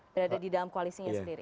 berada di dalam koalisinya sendiri